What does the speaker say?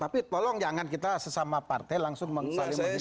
tapi tolong jangan kita sesama partai langsung menghina penista agama